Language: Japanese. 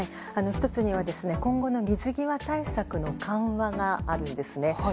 １つには今後の水際対策の緩和があるんですね。